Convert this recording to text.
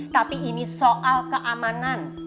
tapi ini soal keamanan